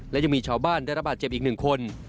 และยังมีชาวบ้านได้รับบาดเจ็บอีก๑คน